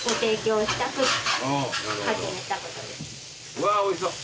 うわおいしそう。